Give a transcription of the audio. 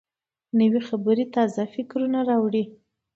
نوې خبرې تازه فکرونه راوړي